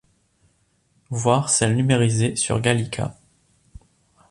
Voir celle numérisée sur Gallica.